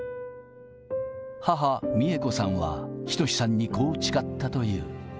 母、三恵子さんは、仁さんにこう誓ったという。